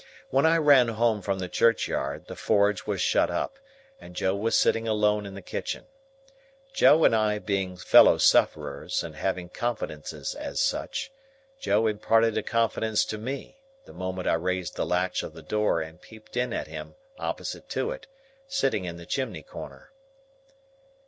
When I ran home from the churchyard, the forge was shut up, and Joe was sitting alone in the kitchen. Joe and I being fellow sufferers, and having confidences as such, Joe imparted a confidence to me, the moment I raised the latch of the door and peeped in at him opposite to it, sitting in the chimney corner.